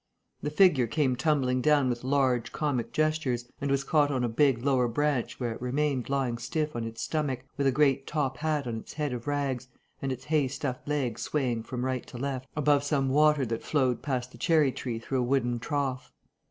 The figure came tumbling down with large, comic gestures, and was caught on a big, lower branch, where it remained lying stiff on its stomach, with a great top hat on its head of rags and its hay stuffed legs swaying from right to left above some water that flowed past the cherry tree through a wooden trough.